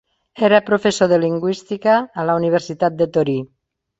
Era professor de lingüística a la Universitat de Torí.